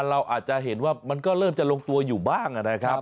เราอาจจะเห็นว่ามันก็เริ่มจะลงตัวอยู่บ้างนะครับ